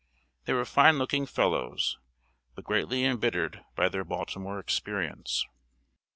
They were fine looking fellows, but greatly embittered by their Baltimore experience.